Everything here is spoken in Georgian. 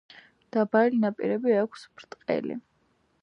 დაბალი ნაპირები აქვს, ბრტყელი.